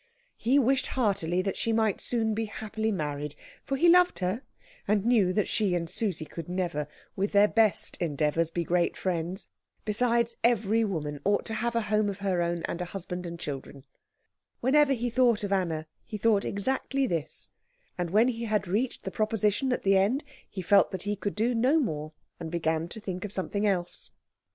He wished heartily that she might soon be happily married; for he loved her, and knew that she and Susie could never, with their best endeavours, be great friends. Besides, every woman ought to have a home of her own, and a husband and children. Whenever he thought of Anna, he thought exactly this; and when he had reached the proposition at the end he felt that he could do no more, and began to think of something else.